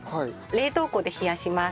冷凍庫で冷やす。